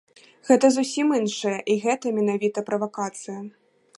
Гэта зусім іншае і гэта менавіта правакацыя.